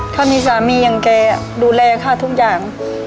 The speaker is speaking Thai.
ถ้ามีสามีอย่างแกดูแลค่ะทุกอย่าง